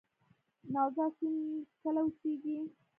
نوزاد سیند کله وچیږي؟